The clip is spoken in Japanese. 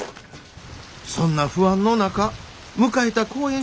そんな不安の中迎えた公演初日。